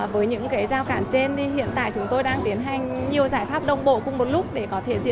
với những cái giao cản trên thì hiện tại chúng tôi đang tiến hành nhiều giải pháp đông bộ cùng một lúc